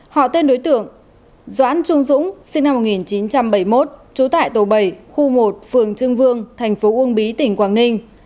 họ tên đối tượng doãn trung dũng sinh năm một nghìn chín trăm bảy mươi một trú tại tổ bảy khu một phường trương vương thành phố uông bí tỉnh quảng ninh